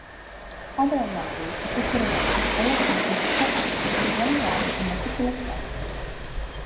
Other amenities depicted in illustrations of court life include running water and meticulous gardens.